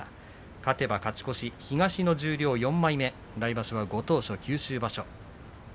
勝てば勝ち越し、東の十両４枚目来場所はご当所、九州場所。